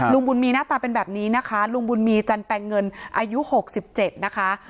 บุญมีหน้าตาเป็นแบบนี้นะคะลุงบุญมีจันแปลงเงินอายุ๖๗นะคะ